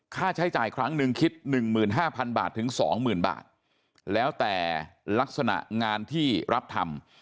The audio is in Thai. ค่าใช้จ่ายครั้งหนึ่งคิดหนึ่งหมื่นห้าพันบาทถึงสองหมื่นบาทแล้วแต่ลักษณะงานที่รับทำ